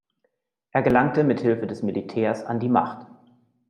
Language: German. Er gelangte mit Hilfe des Militärs an die Macht.